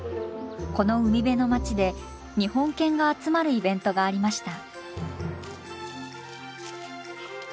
この海辺の町で日本犬が集まるイベントがありました。